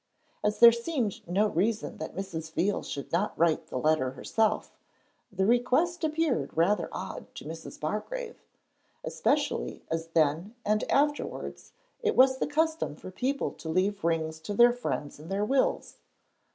As there seemed no reason that Mrs. Veal should not write the letter herself, the request appeared rather odd to Mrs. Bargrave, especially as then and afterwards it was the custom for people to leave rings to their friends in their wills.